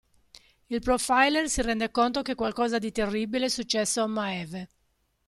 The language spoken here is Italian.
Il profiler si rende conto che qualcosa di terribile è successo a Maeve.